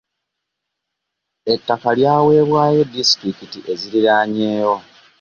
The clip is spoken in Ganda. Ettaka lyaweebwayo disitulikiti eziriranyeewo.